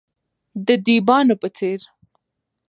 د دیبانو په څیر،